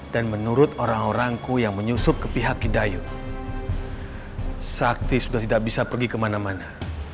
dan menurut orang orangku yang menyusup ke pihak kidayun sakti sudah tidak bisa pergi kemana mana